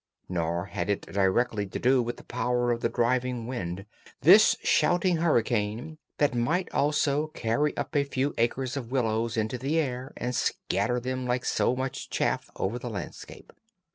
Nor had it directly to do with the power of the driving wind—this shouting hurricane that might almost carry up a few acres of willows into the air and scatter them like so much chaff over the landscape.